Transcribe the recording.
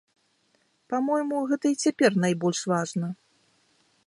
Па-мойму, гэта і цяпер найбольш важна.